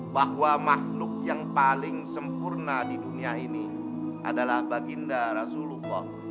bahwa makhluk yang paling sempurna di dunia ini adalah baginda rasulullah